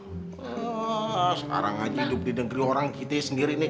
sekarang aja hidup di negeri orang kite sendiri nih